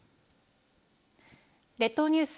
列島ニュース